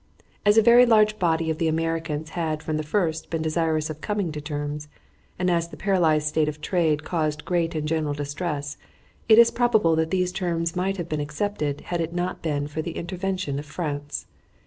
As a very large body of the Americans had from the first been desirous of coming to terms, and as the paralyzed state of trade caused great and general distress, it is probable that these terms might have been accepted had it not been for the intervention of France.